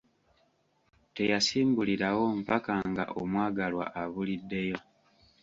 Teyasimbulirawo mpaka nga omwagalwa abuliddeyo.